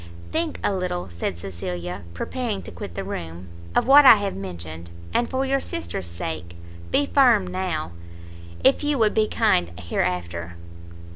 "Think a little," said Cecilia, preparing to quit the room, "of what I have mentioned, and, for your sister's sake, be firm now, if you would be kind hereafter."